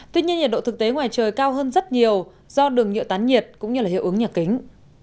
tuy nhiên nhiệt độ thực tế ngoài trời cao hơn rất nhiều do đường nhựa tán nhiệt cũng như hiệu ứng nhà kính